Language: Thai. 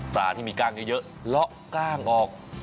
ที่มีกล้างเยอะเลาะกล้างออก